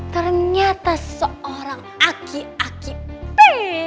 ternyata seorang aki aki b